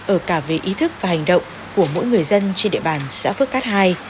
ở cả về ý thức và hành động của mỗi người dân trên địa bàn xã phước cát ii